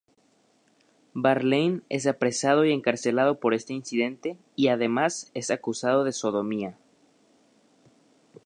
Verlaine es apresado y encarcelado por este incidente y además es acusado de sodomía.